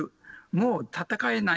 もう戦えない。